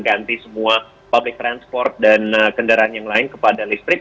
nah karena mobil listrik sudah sudah ganti semua transportasi publik dan kendaraan yang lain kepada listrik